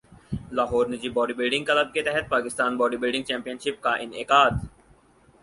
لاہور نجی body building club کے تحت Pakistan body building championship کا انعقاد